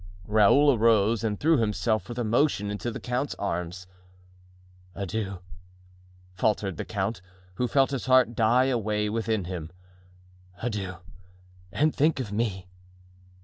Raoul arose and threw himself with emotion into the count's arms. "Adieu," faltered the count, who felt his heart die away within him; "adieu, and think of me."